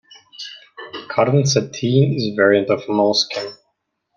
Cotton sateen is a variant of moleskin.